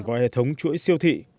vào hệ thống chuỗi siêu thị